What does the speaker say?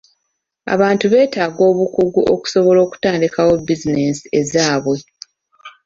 Abantu beetaaga obukugu okusobola okutandikawo bizinensi ezaabwe.